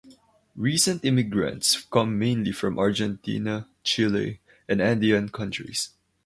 Recent immigrants come mainly from Argentina, Chile, and Andean countries.